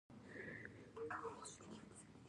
موقت اضافي معاش ورکول هم پکې شامل دي.